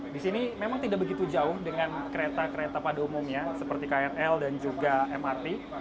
di sini memang tidak begitu jauh dengan kereta kereta pada umumnya seperti krl dan juga mrt